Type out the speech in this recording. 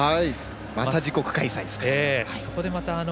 また自国開催です。